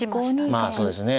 まあそうですね。